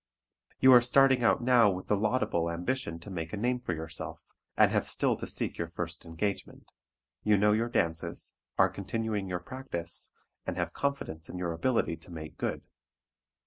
You are starting out now with the laudable ambition to make a name for yourself, and have still to seek your first engagement. You know your dances, are continuing your practice, and have confidence in your ability to make good.